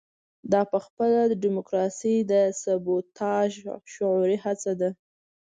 دا پخپله د ډیموکراسۍ د سبوتاژ شعوري هڅه ده.